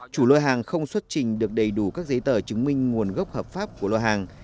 chủ lô hàng không xuất trình được đầy đủ các giấy tờ chứng minh nguồn gốc hợp pháp của lô hàng